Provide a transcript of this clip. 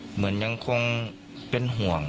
เหมือนยังคงเป็นห่วง